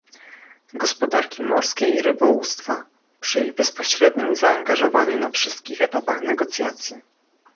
Gospodarki Morskiej i Rybołówstwa, przy ich bezpośrednim zaangażowaniu na wszystkich etapach negocjacji